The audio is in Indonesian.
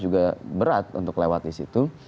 juga berat untuk lewat disitu